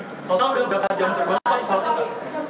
total berapa jam terbang pak